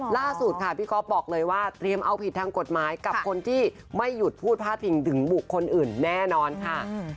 ล่าสุดค่ะพี่ก๊อฟบอกเลยว่าเตรียมเอาผิดทางกฎหมายกับคนที่ไม่หยุดพูดพาดพิงถึงบุคคลอื่นแน่นอนค่ะ